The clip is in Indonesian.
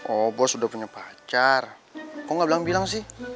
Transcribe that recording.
oh bos sudah punya pacar kok gak bilang bilang sih